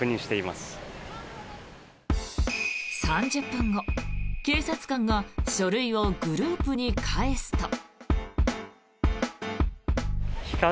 ３０分後、警察官が書類をグループに返すと。